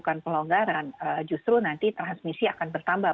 bukan pelonggaran justru nanti transmisi akan bertambah